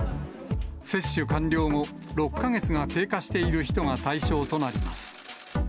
接種完了後、６か月が経過している人が対象となります。